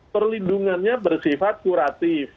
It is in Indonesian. perlindungannya bersifat kuratif